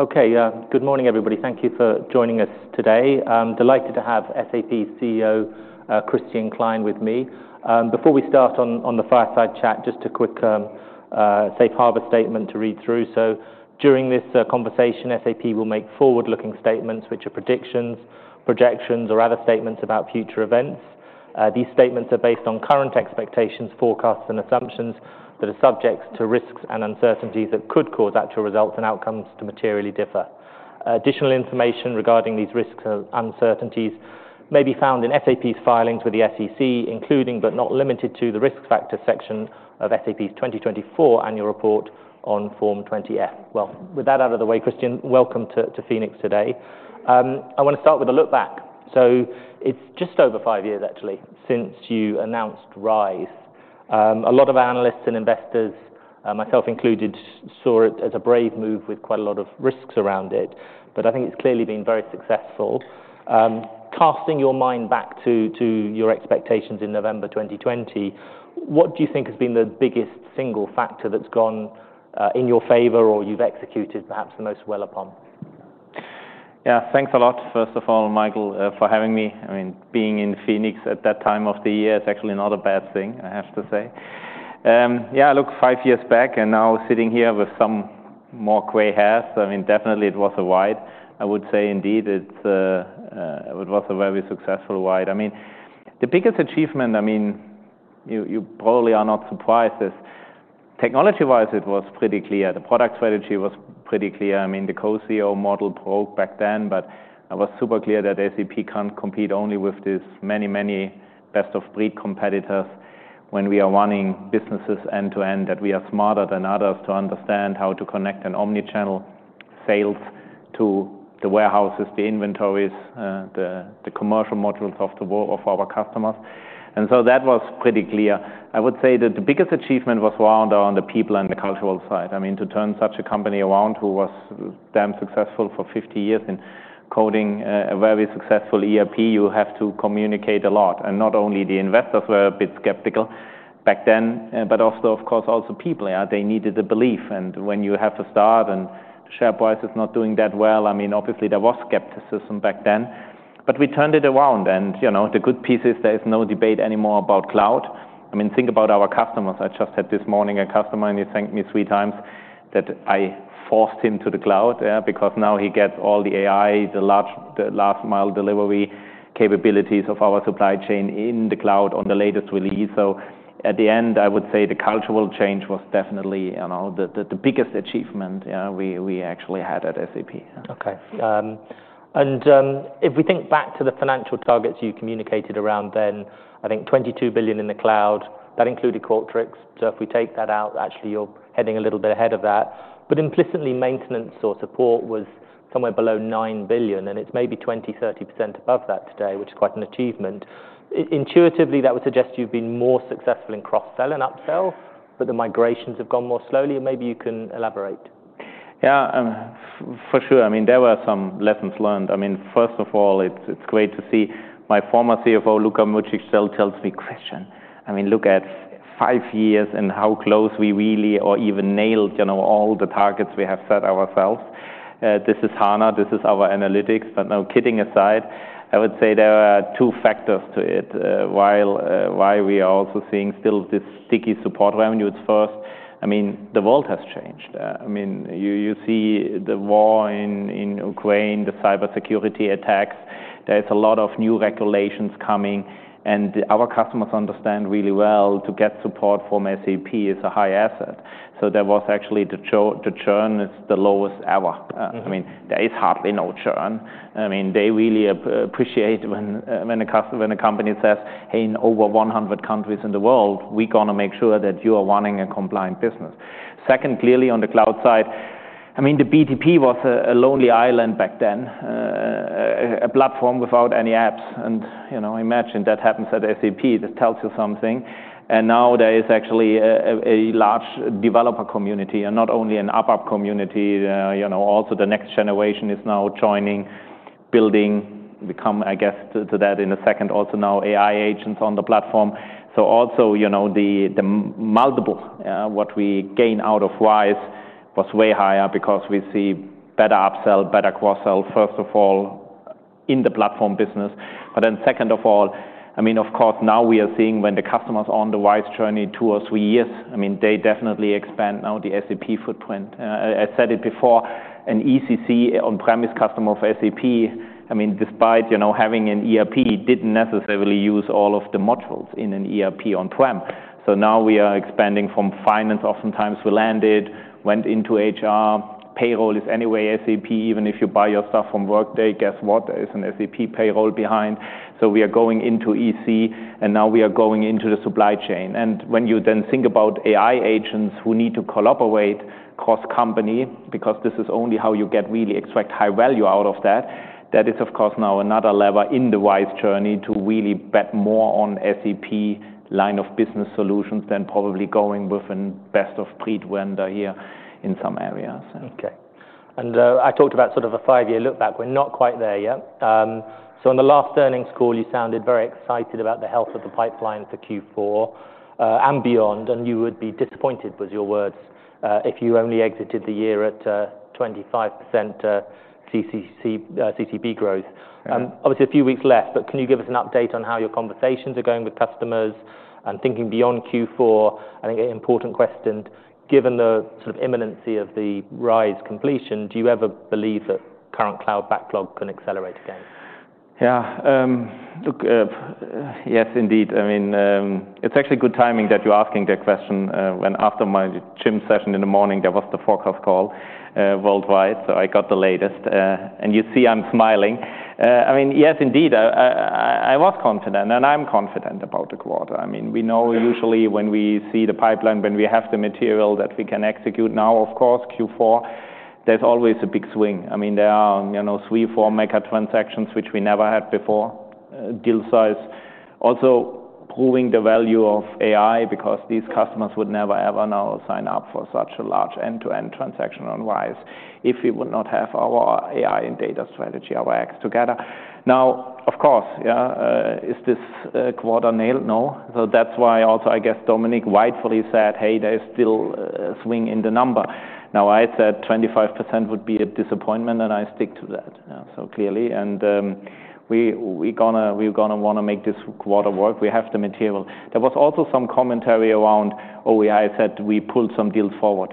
Okay, good morning, everybody. Thank you for joining us today. Delighted to have SAP's CEO, Christian Klein, with me. Before we start on the fireside chat, just a quick SAFE Harbor statement to read through. During this conversation, SAP will make forward-looking statements which are predictions, projections, or other statements about future events. These statements are based on current expectations, forecasts, and assumptions that are subject to risks and uncertainties that could cause actual results and outcomes to materially differ. Additional information regarding these risks and uncertainties may be found in SAP's filings with the SEC, including but not limited to the risk factor section of SAP's 2024 annual report on Form 20-F. With that out of the way, Christian, welcome to Phoenix today. I want to start with a look back. It's just over five years, actually, since you announced Rise. A lot of analysts and investors, myself included, saw it as a brave move with quite a lot of risks around it, but I think it's clearly been very successful. Casting your mind back to your expectations in November 2020, what do you think has been the biggest single factor that's gone in your favor or you've executed perhaps the most well upon? Thanks a lot, first of all, Michael, for having me. Being in Phoenix at that time of the year is actually not a bad thing, I have to say. Look, five years back and now sitting here with some more gray hairs, definitely it was a ride. I would say indeed it was a very successful ride. The biggest achievement, you probably are not surprised, is technology-wise it was pretty clear. The product strategy was pretty clear. The co-CEO model broke back then, but I was super clear that SAP can't compete only with these many, many best-of-breed competitors. When we are running businesses end-to-end, that we are smarter than others to understand how to connect an omnichannel sales to the warehouses, the inventories, the commercial modules of our customers. That was pretty clear. I would say that the biggest achievement was around the people and the cultural side. To turn such a company around who was damn successful for 50 years in coding a very successful ERP, you have to communicate a lot. Not only the investors were a bit skeptical back then, but of course, also people. They needed the belief. When you have to start and Share Price is not doing that well, obviously there was skepticism back then. We turned it around. The good piece is there is no debate anymore about cloud. Think about our customers. I just had this morning a customer, and he thanked me three times that I forced him to the cloud because now he gets all the AI, the last-mile delivery capabilities of our supply chain in the cloud on the latest release. At the end, I would say the cultural change was definitely the biggest achievement we actually had at SAP. If we think back to the financial targets you communicated around then, I think $22 billion in the cloud. That included Qualtrics. If we take that out, actually you're heading a little bit ahead of that. Implicitly, maintenance or support was somewhere below $9 billion, and it's maybe 20%, 30% above that today, which is quite an achievement. Intuitively, that would suggest you've been more successful in cross-sell and upsell, but the migrations have gone more slowly. Maybe you can elaborate. For sure. There were some lessons learned. First of all, it's great to see my former CFO, Luka Mucic, still tells me, "Christian, look at five years and how close we really or even nailed all the targets we have set ourselves. This is HANA, this is our analytics." Kidding aside, I would say there are two factors to it. While we are also seeing still this sticky support revenue, it's first, the world has changed. You see the war in Ukraine, the cybersecurity attacks. There's a lot of new regulations coming, and our customers understand really well to get support from SAP is a high asset. There was actually the churn is the lowest ever. There is hardly no churn. They really appreciate when a company says, "Hey, in over 100 countries in the world, we're going to make sure that you are running a compliant business." Second, clearly on the cloud side, the BTP was a lonely island back then, a platform without any apps. Imagine that happens at SAP, that tells you something. Now there is actually a large developer community and not only an ABAP community. Also, the next generation is now joining, building. We come, I guess, to that in a second. Also now AI agents on the platform. Also the multiple, what we gain out of Rise was way higher because we see better upsell, better cross-sell, first of all, in the platform business. Then second of all, of course, now we are seeing when the customers are on the Rise journey, two or three years, they definitely expand now the SAP footprint. I said it before, an ECC on-premise customer for SAP, despite having an ERP, did not necessarily use all of the modules in an ERP on-prem. Now we are expanding from finance. Oftentimes we landed, went into HR. Payroll is anyway SAP, even if you buy your stuff from Workday, guess what, there is an SAP payroll behind. We are going into EC, and now we are going into the supply chain. When you then think about AI agents who need to collaborate cross-company because this is only how you really extract high value out of that, that is of course now another lever in the Rise journey to really bet more on SAP line of business solutions than probably going with a best-of-breed vendor here in some areas. I talked about sort of a five-year look back. We're not quite there yet. In the last earnings call, you sounded very excited about the health of the pipeline for Q4 and beyond, and you would be disappointed, was your words, if you only exited the year at 25% CCB growth. Obviously, a few weeks left, but can you give us an update on how your conversations are going with customers and thinking beyond Q4? I think an important question, given the imminency of the Rise completion, do you ever believe that current cloud backlog can accelerate again? Yes, indeed. It's actually good timing that you're asking that question when after my gym session in the morning, there was the forecast call worldwide. I got the latest. You see I'm smiling. Yes, indeed. I was confident, and I'm confident about the quarter. We know usually when we see the pipeline, when we have the material that we can execute now, of course, Q4, there's always a big swing. There are three, four mega transactions which we never had before, deal size. Also proving the value of AI because these customers would never, ever now sign up for such a large end-to-end transaction on Rise if we would not have our AI and data strategy, our X together. Now, of course, is this quarter nailed? No. That is why also, I guess, Dominik rightfully said, "Hey, there's still a swing in the number." Now, I said 25% would be a disappointment, and I stick to that clearly. We are going to want to make this quarter work. We have the material. There was also some commentary around, "Oh, yeah, I said we pulled some deals forward."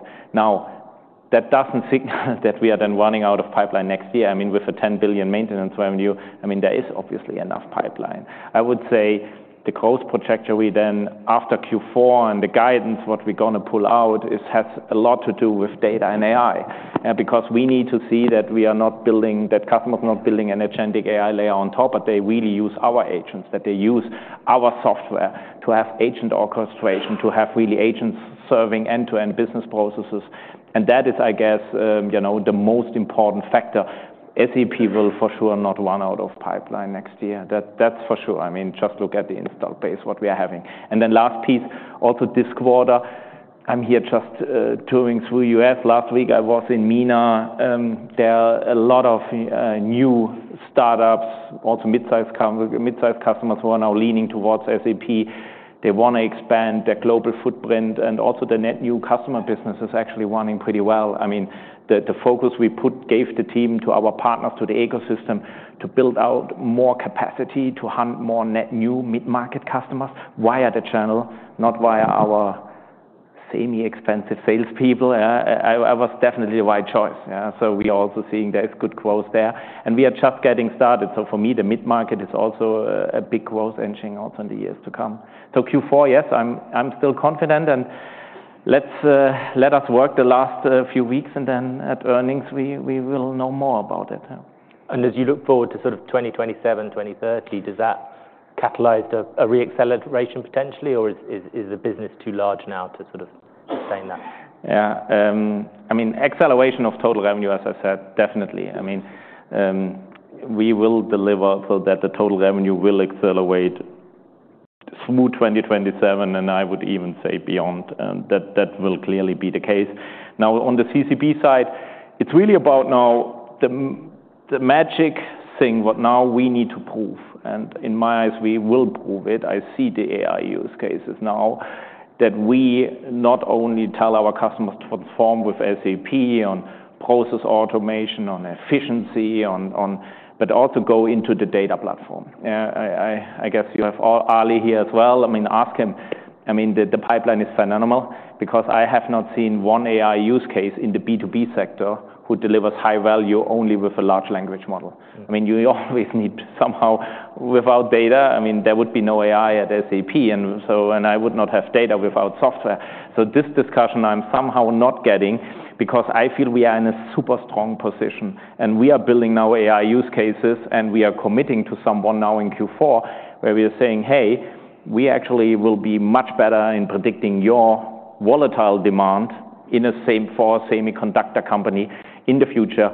That does not signal that we are then running out of pipeline next year with a $10 billion maintenance revenue. There is obviously enough pipeline. I would say the growth trajectory then after Q4 and the guidance, what we're going to pull out has a lot to do with data and AI because we need to see that we are not building, that customers are not building an agentic AI layer on top, but they really use our agents, that they use our software to have agent orchestration, to have really agents serving end-to-end business processes. That is, I guess, the most important factor. SAP will for sure not run out of pipeline next year. That's for sure. Just look at the installed base, what we are having. The last piece, also this quarter, I'm here just touring through the U.S. Last week, I was in MENA. There are a lot of new startups, also mid-size customers who are now leaning towards SAP. They want to expand their global footprint, and also the net new customer business is actually running pretty well. The focus we put, gave the team to our partners, to the ecosystem to build out more capacity to hunt more net new mid-market customers via the channel, not via our semi-expensive salespeople. It was definitely the right choice. We are also seeing there is good growth there. We are just getting started. For me, the mid-market is also a big growth engine also in the years to come. Q4, yes, I am still confident. Let us work the last few weeks, and then at earnings, we will know more about it. As you look forward to sort of 2027, 2030, does that catalyze a re-acceleration potentially, or is the business too large now to sort of sustain that? Acceleration of total revenue, as I said, definitely. We will deliver that the total revenue will accelerate through 2027, and I would even say beyond. That will clearly be the case. Now, on the CCB side, it is really about now the magic thing what now we need to prove. In my eyes, we will prove it. I see the AI use cases now that we not only tell our customers to transform with SAP on process automation, on efficiency, but also go into the data platform. I guess you have Ali here as well. Ask him. The pipeline is phenomenal because I have not seen one AI use case in the B2B sector who delivers high value only with a large language model. You always need somehow without data, there would be no AI at SAP, and I would not have data without software. This discussion I'm somehow not getting because I feel we are in a super strong position, and we are building now AI use cases, and we are committing to someone now in Q4 where we are saying, "Hey, we actually will be much better in predicting your volatile demand in a semiconductor company in the future.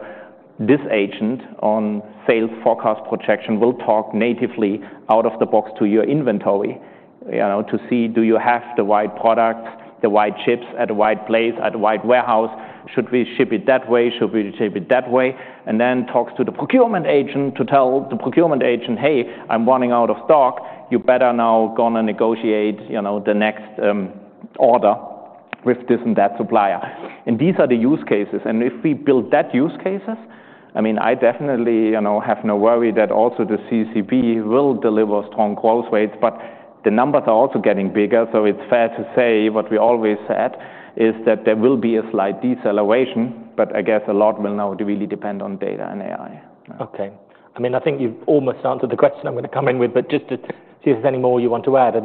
This agent on sales forecast projection will talk natively out of the box to your inventory to see do you have the right products, the right chips at the right place, at the right warehouse. Should we ship it that way? Should we ship it that way?" It then talks to the procurement agent to tell the procurement agent, "Hey, I'm running out of stock. You better now go and negotiate the next order with this and that supplier." These are the use cases. If we build that use cases, I definitely have no worry that also the CCB will deliver strong growth rates, but the numbers are also getting bigger. It is fair to say what we always said is that there will be a slight deceleration, but I guess a lot will now really depend on data and AI. I think you've almost answered the question I'm going to come in with, but just to see if there's any more you want to add.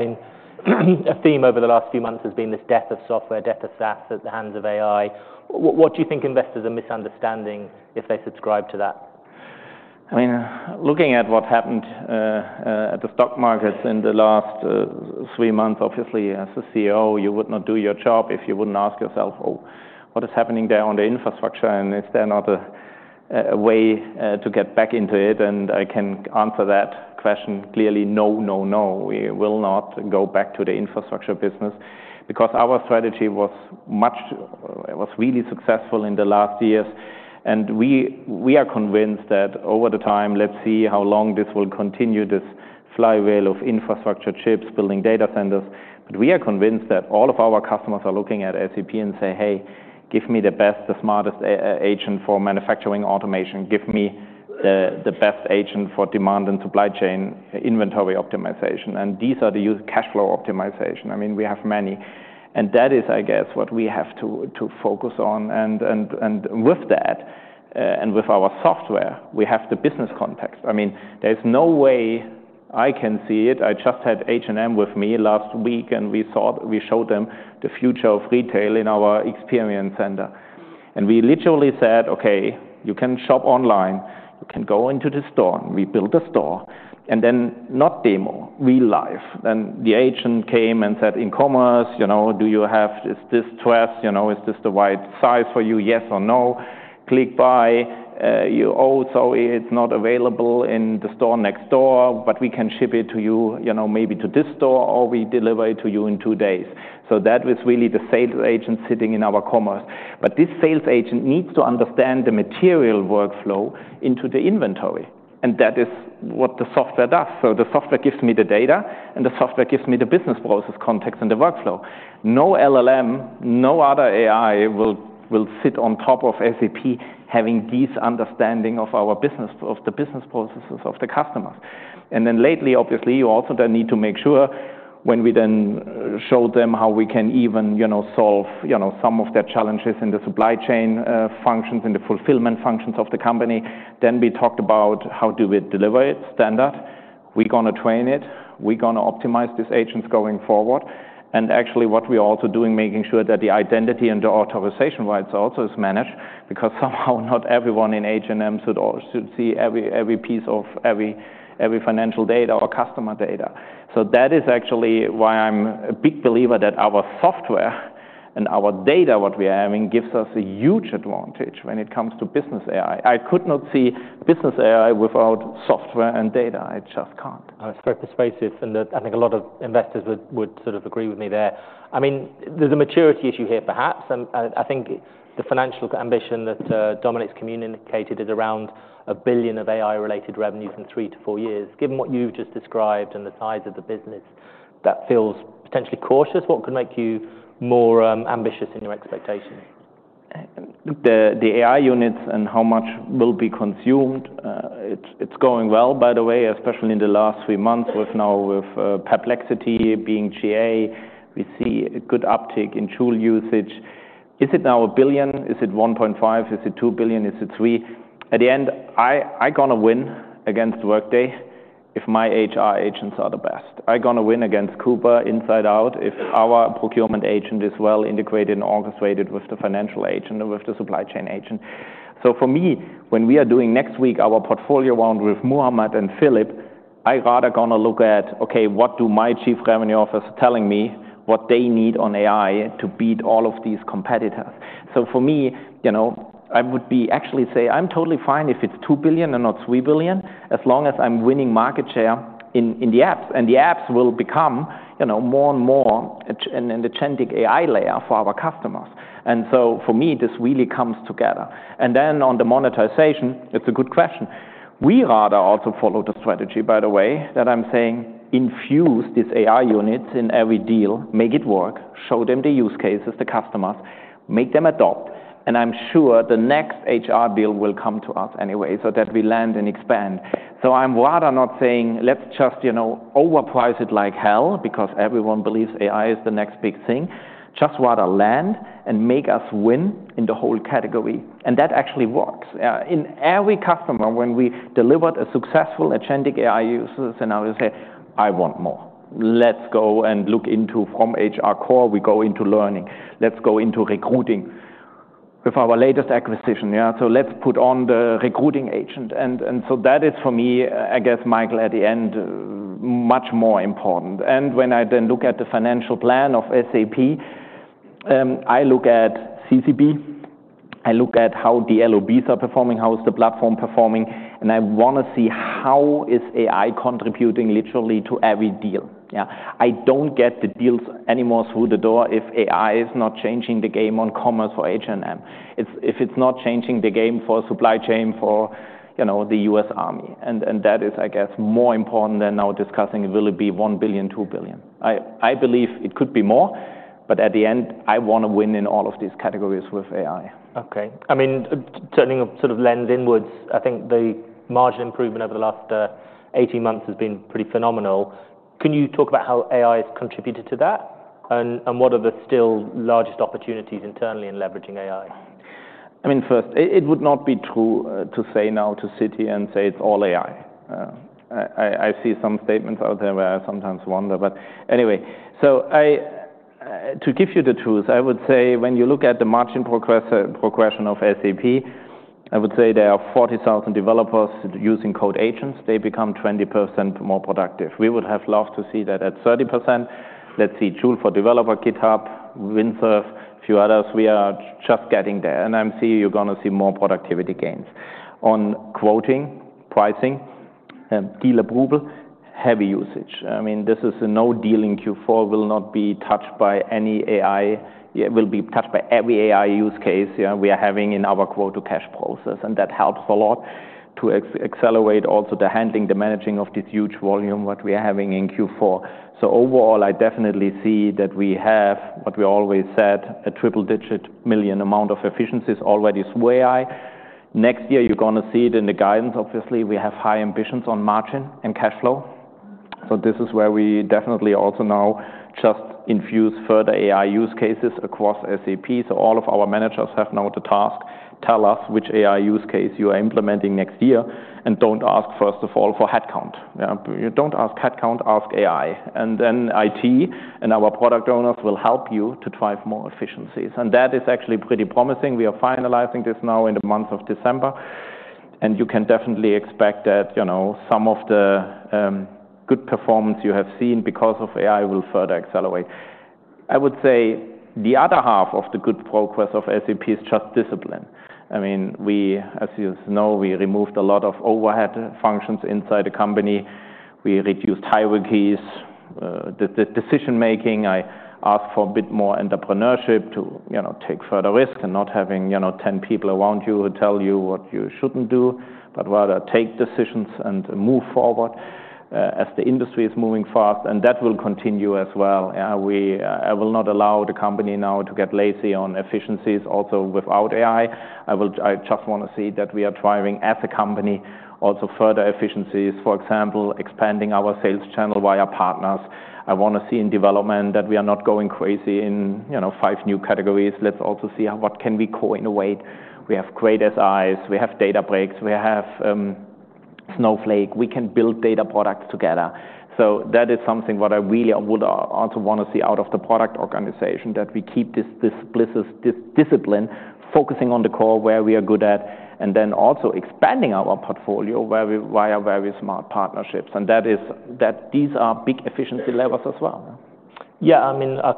A theme over the last few months has been this death of software, death of SaaS at the hands of AI. What do you think investors are misunderstanding if they subscribe to that? Looking at what happened at the stock markets in the last three months, obviously, as a CEO, you would not do your job if you wouldn't ask yourself, "What is happening there on the infrastructure? And is there not a way to get back into it?" I can answer that question clearly, no, no, no. We will not go back to the infrastructure business because our strategy was really successful in the last years. We are convinced that over the time, let's see how long this will continue, this flywheel of infrastructure chips, building data centers. We are convinced that all of our customers are looking at SAP and say, "Hey, give me the best, the smartest agent for manufacturing automation. Give me the best agent for demand and supply chain inventory optimization." These are the cash flow optimization. We have many. That is, I guess, what we have to focus on. With that, and with our software, we have the business context. There is no way I can see it. I just had H&M with me last week, and we showed them the future of retail in our experience center. We literally said, "Okay, you can shop online. You can go into the store." We built a store. Not demo, real life. The agent came and said, "In commerce, do you have this dress? Is this the right size for you? Yes or no? Click buy." "Oh, sorry, it is not available in the store next door, but we can ship it to you, maybe to this store, or we deliver it to you in two days." That was really the sales agent sitting in our commerce. This sales agent needs to understand the material workflow into the inventory. That is what the software does. The software gives me the data, and the software gives me the business process context and the workflow. No LLM, no other AI will sit on top of SAP having this understanding of our business, of the business processes of the customers. Lately, obviously, you also need to make sure when we then showed them how we can even solve some of the challenges in the supply chain functions, in the fulfillment functions of the company, we talked about how do we deliver it standard. We're going to train it. We're going to optimize these agents going forward. What we are also doing, making sure that the identity and the authorization rights also is managed because somehow not everyone in H&M should see every piece of every financial data or customer data. That is actually why I'm a big believer that our software and our data, what we are having, gives us a huge advantage when it comes to Business AI. I could not see Business AI without software and data. I just can't. It's very persuasive. I think a lot of investors would sort of agree with me there. There's a maturity issue here, perhaps. I think the financial ambition that Dominik's communicated is around $1 billion of AI-related revenue from three to four years. Given what you've just described and the size of the business, that feels potentially cautious. What could make you more ambitious in your expectations? The AI units and how much will be consumed. It's going well, by the way, especially in the last three months with now with Perplexity being GA, we see a good uptick in tool usage. Is it now a $1 billion? Is it $1.5 billion? Is it $2 billion? Is it three? At the end, I'm going to win against Workday if my HR agents are the best. I'm going to win against Coupa inside out if our procurement agent is well integrated and orchestrated with the financial agent and with the supply chain agent. For me, when we are doing next week our portfolio round with Muhammad and Philip, I'm rather going to look at, "Okay, what do my chief revenue officers telling me what they need on AI to beat all of these competitors?" For me, I would actually say I'm totally fine if it's $2 billion and not $3 billion as long as I'm winning market share in the apps. The apps will become more and more an agentic AI layer for our customers. For me, this really comes together. On the monetization, it's a good question. We rather also follow the strategy, by the way, that I'm saying infuse these AI units in every deal, make it work, show them the use cases, the customers, make them adopt. I'm sure the next HR bill will come to us anyway so that we land and expand. I'm rather not saying let's just overprice it like hell because everyone believes AI is the next big thing. Just rather land and make us win in the whole category. That actually works. In every customer, when we delivered a successful agentic AI user, I would say, "I want more. Let's go and look into from HR core, we go into learning. Let's go into recruiting with our latest acquisition. Let's put on the recruiting agent." That is for me, I guess, Michael, at the end, much more important. When I then look at the financial plan of SAP, I look at CCB. I look at how the LOBs are performing, how is the platform performing. I want to see how is AI contributing literally to every deal. I do not get the deals anymore through the door if AI is not changing the game on commerce for H&M, if it is not changing the game for supply chain for the U.S. Army. That is, I guess, more important than now discussing will it be $1 billion, $2 billion. I believe it could be more, but at the end, I want to win in all of these categories with AI. I mean, turning sort of lens inwards, I think the margin improvement over the last 18 months has been pretty phenomenal. Can you talk about how AI has contributed to that and what are the still largest opportunities internally in leveraging AI? First, it would not be true to say now to Citi and say it's all AI. I see some statements out there where I sometimes wonder. Anyway, to give you the truth, I would say when you look at the margin progression of SAP, I would say there are 40,000 developers using code agents. They become 20% more productive. We would have loved to see that at 30%. Let's see, tool for developer, GitHub, Windsurf, a few others. We are just getting there. I am seeing you are going to see more productivity gains on quoting, pricing, deal approval, heavy usage. This is a no deal in Q4 will not be touched by any AI. It will be touched by every AI use case we are having in our quote-to-cash process. That helps a lot to accelerate also the handling, the managing of this huge volume what we are having in Q4. Overall, I definitely see that we have what we always said, a triple-digit million amount of efficiencies already through AI. Next year, you're going to see it in the guidance. Obviously, we have high ambitions on margin and cash flow. This is where we definitely also now just infuse further AI use cases across SAP. All of our managers have now the task, tell us which AI use case you are implementing next year. Don't ask, first of all, for headcount. Don't ask headcount, ask AI. IT and our product owners will help you to drive more efficiencies. That is actually pretty promising. We are finalizing this now in the month of December. You can definitely expect that some of the good performance you have seen because of AI will further accelerate. I would say the other half of the good progress of SAP is just discipline. As you know, we removed a lot of overhead functions inside the company. We reduced hierarchies, the decision-making. I ask for a bit more entrepreneurship to take further risk and not having 10 people around you who tell you what you shouldn't do, but rather take decisions and move forward as the industry is moving fast. That will continue as well. I will not allow the company now to get lazy on efficiencies also without AI. I just want to see that we are driving as a company also further efficiencies, for example, expanding our sales channel via partners. I want to see in development that we are not going crazy in five new categories. Let's also see what can we co-innovate. We have great SIs. We have Databricks. We have Snowflake. We can build data products together. That is something what I really would also want to see out of the product organization that we keep this discipline, focusing on the core where we are good at, and then also expanding our portfolio via very smart partnerships. These are big efficiency levels as well. Yeah.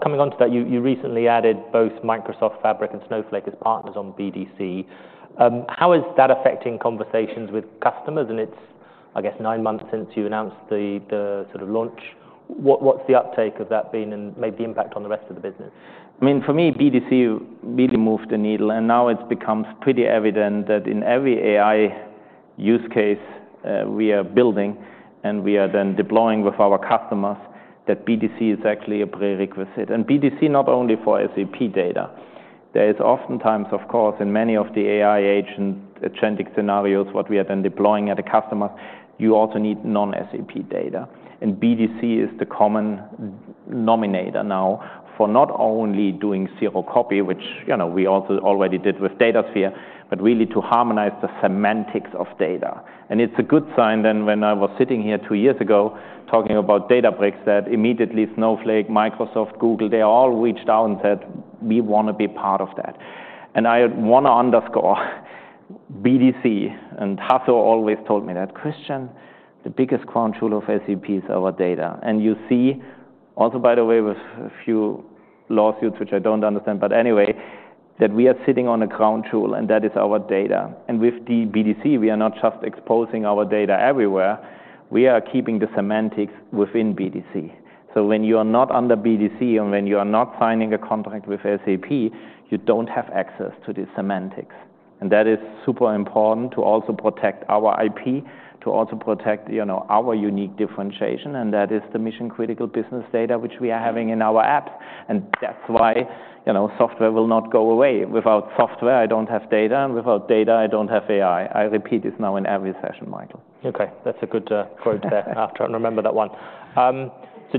Coming onto that, you recently added both Microsoft Fabric and Snowflake as partners on BDC. How is that affecting conversations with customers? It's, I guess, nine months since you announced the sort of launch. What's the uptake of that been and maybe the impact on the rest of the business? For me, BDC really moved the needle. It becomes pretty evident that in every AI use case we are building and we are then deploying with our customers, BDC is actually a prerequisite. BDC not only for SAP data. There is oftentimes, of course, in many of the AI agent agentic scenarios, what we are then deploying at the customers, you also need non-SAP data. BDC is the common nominator now for not only doing zero copy, which we also already did with Datasphere, but really to harmonize the semantics of data. It is a good sign then when I was sitting here two years ago talking about Databricks that immediately Snowflake, Microsoft, Google, they all reached out and said, "We want to be part of that." I want to underscore BDC, and Hasso always told me that, "Christian, the biggest crown jewel of SAP is our data." You see, also, by the way, with a few lawsuits which I do not understand, but anyway, that we are sitting on a crown jewel, and that is our data. With BDC, we are not just exposing our data everywhere. We are keeping the semantics within BDC. When you are not under BDC and when you are not signing a contract with SAP, you do not have access to the semantics. That is super important to also protect our IP, to also protect our unique differentiation. That is the mission-critical business data which we are having in our apps. That is why software will not go away. Without software, I do not have data. Without data, I do not have AI. I repeat this now in every session, Michael. Okay. That's a good quote there. I'll try and remember that one.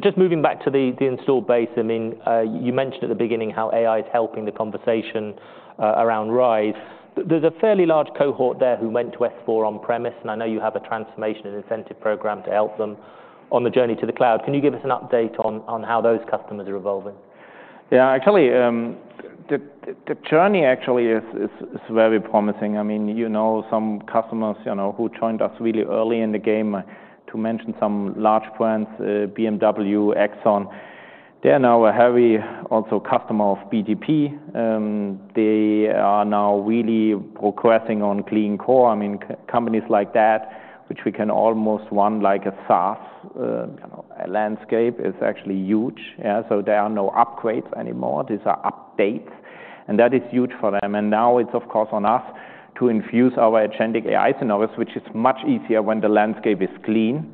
Just moving back to the installed base, you mentioned at the beginning how AI is helping the conversation around Rise. There's a fairly large cohort there who went to S4 on-premise. I know you have a transformation and incentive program to help them on the journey to the cloud. Can you give us an update on how those customers are evolving? Yeah. Actually, the journey actually is very promising. You know some customers who joined us really early in the game, to mention some large brands, BMW, Exxon. They are now a heavy also customer of BTP. They are now really progressing on clean core. Companies like that, which we can almost run like a SaaS landscape, is actually huge. There are no upgrades anymore. These are updates. That is huge for them. Now it is, of course, on us to infuse our agentic AI scenarios, which is much easier when the landscape is clean.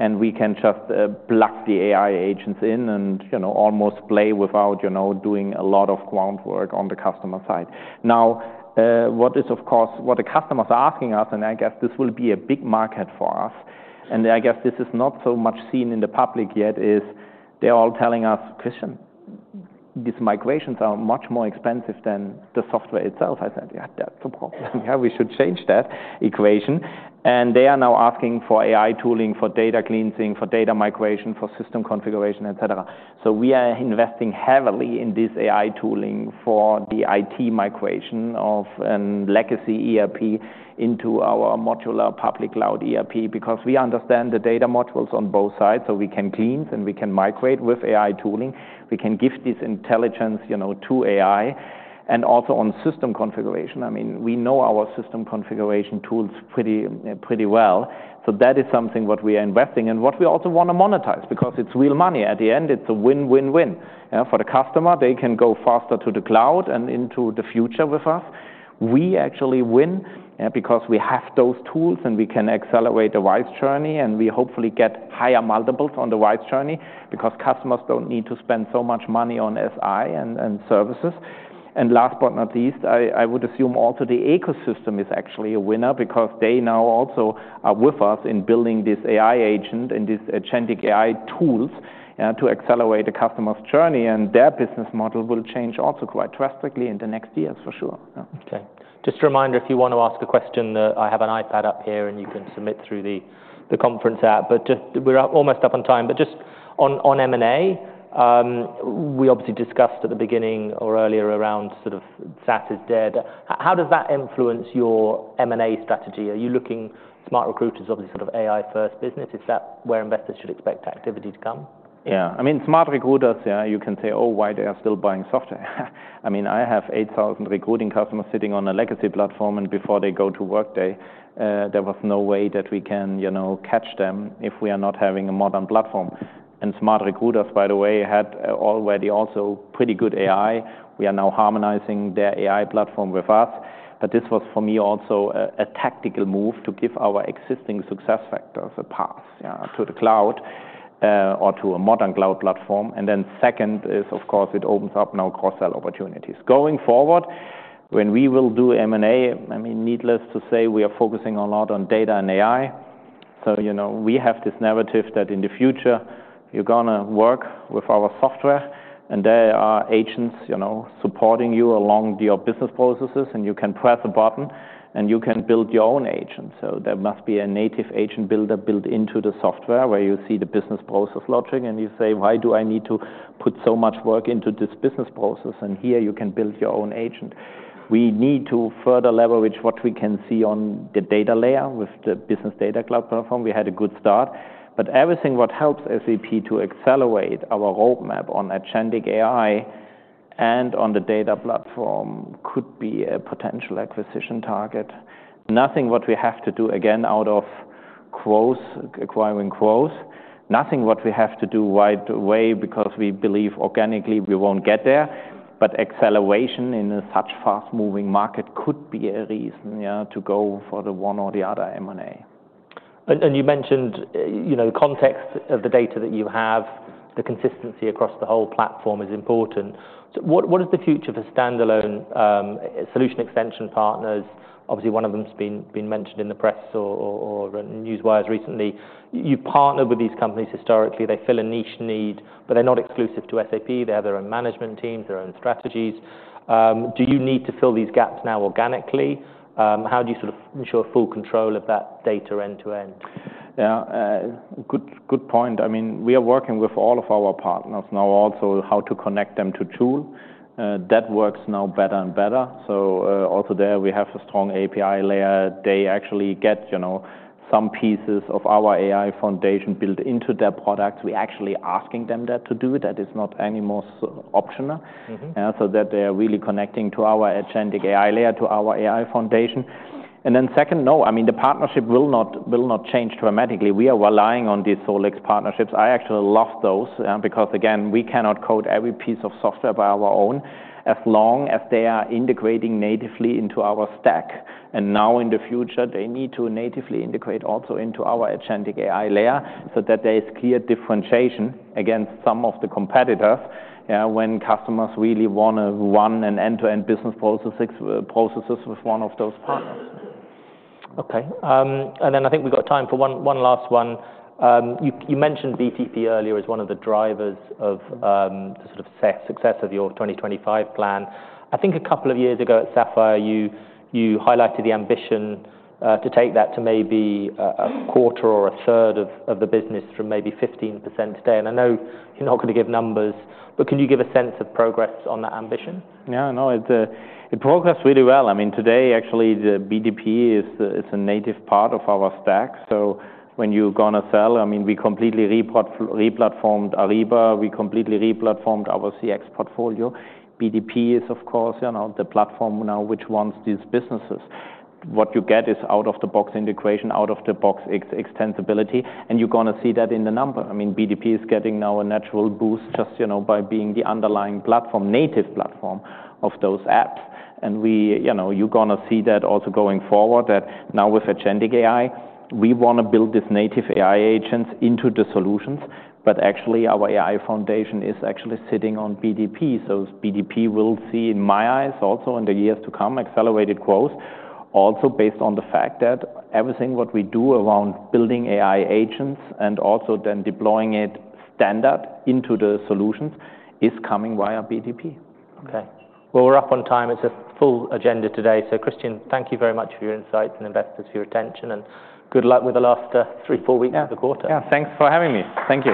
We can just blast the AI agents in and almost play without doing a lot of groundwork on the customer side. Now, what is, of course, what the customers are asking us, and I guess this will be a big market for us. I guess this is not so much seen in the public yet is they're all telling us, "Christian, these migrations are much more expensive than the software itself." I said, "Yeah, that's a problem. Yeah, we should change that equation." They are now asking for AI tooling for data cleansing, for data migration, for system configuration, et cetera. We are investing heavily in this AI tooling for the IT migration of a legacy ERP into our modular public cloud ERP because we understand the data modules on both sides. We can clean and we can migrate with AI tooling. We can give this intelligence to AI. Also on system configuration, we know our system configuration tools pretty well. That is something what we are investing in and what we also want to monetize because it's real money. At the end, it's a win-win-win for the customer. They can go faster to the cloud and into the future with us. We actually win because we have those tools and we can accelerate the Rise journey. We hopefully get higher multiples on the Rise journey because customers don't need to spend so much money on SI and services. Last but not least, I would assume also the ecosystem is actually a winner because they now also are with us in building this AI agent and these agentic AI tools to accelerate the customer's journey. Their business model will change also quite drastically in the next years, for sure. Okay. Just a reminder, if you want to ask a question, I have an iPad up here and you can submit through the conference app. We're almost up on time. Just on M&A, we obviously discussed at the beginning or earlier around sort of SaaS is dead. How does that influence your M&A strategy? Are you looking at SmartRecruiters, obviously sort of AI-first business? Is that where investors should expect activity to come? Yeah. SmartRecruiters, you can say, "Oh, why they are still buying software." I have 8,000 recruiting customers sitting on a legacy platform. Before they go to Workday, there was no way that we can catch them if we are not having a modern platform. SmartRecruiters, by the way, had already also pretty good AI. We are now harmonizing their AI platform with us. This was, for me, also a tactical move to give our existing SuccessFactors a path to the cloud or to a modern cloud platform. The second is, of course, it opens up now cross-sell opportunities. Going forward, when we will do M&A, needless to say, we are focusing a lot on data and AI. We have this narrative that in the future, you are going to work with our software. There are agents supporting you along your business processes. You can press a button and you can build your own agent. There must be a native agent builder built into the software where you see the business process logic. You say, "Why do I need to put so much work into this business process?" Here you can build your own agent. We need to further leverage what we can see on the data layer with the business data cloud platform. We had a good start. Everything that helps SAP to accelerate our roadmap on agentic AI and on the data platform could be a potential acquisition target. Nothing that we have to do, again, out of acquiring quotes. Nothing that we have to do right away because we believe organically we will not get there. Acceleration in such a fast-moving market could be a reason to go for the one or the other M&A. You mentioned the context of the data that you have, the consistency across the whole platform is important. What is the future for standalone solution extension partners? Obviously, one of them has been mentioned in the press or in news wires recently. You partner with these companies historically. They fill a niche need, but they're not exclusive to SAP. They have their own management teams, their own strategies. Do you need to fill these gaps now organically? How do you ensure full control of that data end-to-end? Good point. We are working with all of our partners now also how to connect them to tool. That works now better and better. Also there, we have a strong API layer. They actually get some pieces of our AI foundation built into their products. We're actually asking them that to do. That is not any more optional. They are really connecting to our agentic AI layer, to our AI foundation. Second, no, the partnership will not change dramatically. We are relying on these Solex partnerships. I actually love those because, again, we cannot code every piece of software by our own as long as they are integrating natively into our stack. In the future, they need to natively integrate also into our agentic AI layer so that there is clear differentiation against some of the competitors when customers really want to run an end-to-end business processes with one of those partners. Okay. I think we've got time for one last one. You mentioned BTP earlier as one of the drivers of the sort of success of your 2025 plan. I think a couple of years ago at Sapphire, you highlighted the ambition to take that to maybe a quarter or a third of the business from maybe 15% today. I know you're not going to give numbers, but can you give a sense of progress on that ambition? Yeah. No, it progressed really well. Today, actually, the BTP is a native part of our stack. When you're going to sell, we completely replatformed Ariba. We completely replatformed our CX portfolio. BTP is, of course, the platform now which runs these businesses. What you get is out-of-the-box integration, out-of-the-box extensibility. You're going to see that in the number. BTP is getting now a natural boost just by being the underlying platform, native platform of those apps. You're going to see that also going forward that now with agentic AI, we want to build these native AI agents into the solutions. Actually, our AI foundation is actually sitting on BTP.BTP will see, in my eyes, also in the years to come, accelerated growth, also based on the fact that everything what we do around building AI agents and also then deploying it standard into the solutions is coming via BTP. Okay. We're up on time. It's a full agenda today. Christian, thank you very much for your insights and investors for your attention. Good luck with the last three, four weeks of the quarter. Yeah. Thanks for having me. Thank you.